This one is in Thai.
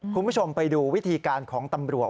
คุณผู้ชมไปดูวิธีการของตำรวจ